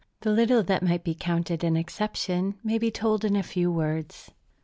The little that might be counted an exception may be told in a few words.